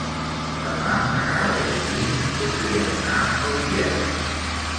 Demà na Gal·la i en Guim voldrien anar a Utiel.